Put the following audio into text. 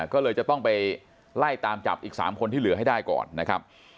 ก็เลยจะต้องไปไล่ตามจับอีก๓คนที่เหลือให้ได้ก่อนนะครับ